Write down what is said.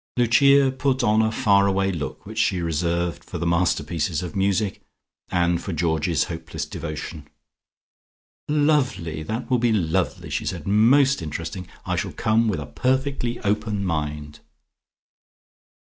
Lucia put on the far away look which she reserved for the masterpieces of music, and for Georgie's hopeless devotion. "Lovely! That will be lovely!" she said. "Most interesting! I shall come with a perfectly open mind."